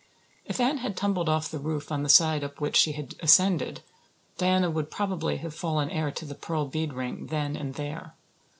If Anne had tumbled off the roof on the side up which she had ascended Diana would probably have fallen heir to the pearl bead ring then and there.